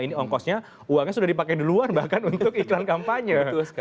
ini ongkosnya uangnya sudah dipakai duluan bahkan untuk iklan kampanye